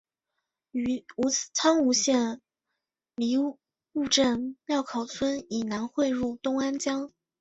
于苍梧县梨埠镇料口村以南汇入东安江。